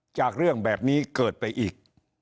จากเรื่องแบบนี้เกิดไปอีก